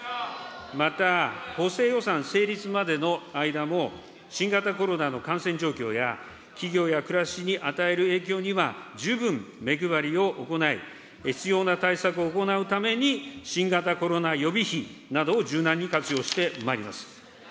また補正予算成立までの間も、新型コロナの感染状況や、企業や暮らしに与える影響には十分目配りを行い、必要な対策を行うために新型コロナ予備費などを柔軟に活用してまいります。